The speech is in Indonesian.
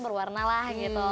berwarna lah gitu